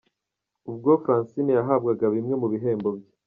Ubwo Francine yahabwaga bimwe mu bihembo bye.